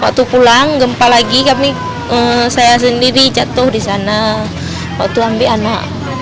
waktu pulang gempa lagi kami saya sendiri jatuh di sana waktu ambil anak